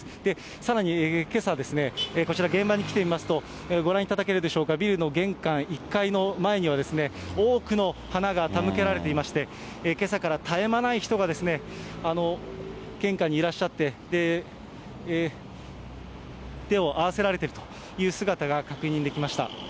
さらにけさ、こちら現場に来てみますと、ご覧いただけるでしょうか、ビルの玄関、１階の前には、多くの花が手向けられていまして、けさから絶え間ない人が献花にいらっしゃって、手を合わせられているという姿が確認できました。